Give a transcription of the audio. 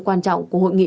quan trọng của hội nghị